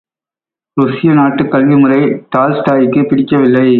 ருஷ்ய நாட்டுக் கல்விமுறை டால்ஸ்டாய்க்குப் பிடிக்கவில்லை.